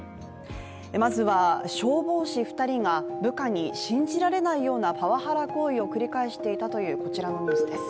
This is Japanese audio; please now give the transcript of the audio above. まずは消防士２人が部下に信じられないようなパワハラ行為を繰り返していたというこちらのニュースです。